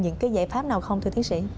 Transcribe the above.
những cái giải pháp nào không thưa tiến sĩ